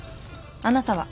あなたは？